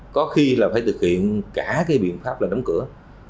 có khi là phải thực hiện cả cái biện pháp là đóng cửa